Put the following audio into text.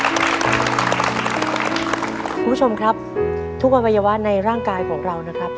คุณผู้ชมครับทุกอวัยวะในร่างกายของเรานะครับ